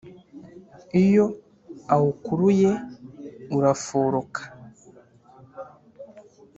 iyo awukuruye uraforoka